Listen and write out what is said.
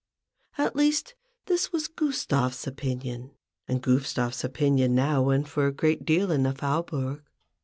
At least, this was Gustave's opinion ; and Gustave's opinion now went for a great deal in the Faubourg.